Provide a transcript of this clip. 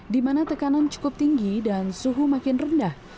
di mana tekanan cukup tinggi dan suhu makin rendah